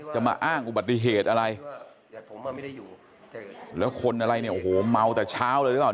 จะมาอ้างอุบัติเหตุอะไรแล้วคนอะไรเนี่ยโอ้โหเมาแต่เช้าเลยหรือเปล่า